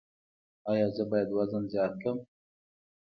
ایا زه باید وزن زیات کړم؟